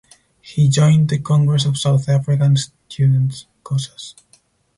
He joined the Congress of South African Students (Cosas).